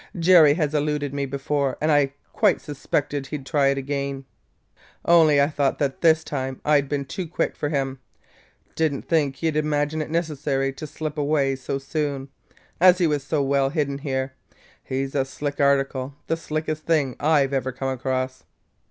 Jerry has eluded me before and I quite suspected he 'd try to again, only I thought that this time I 'd been too quick for him. Did n't think he 'd imagine it necessary to slip away so soon, as he was so well hidden here. He 's a slick article the slickest thing I ever came across!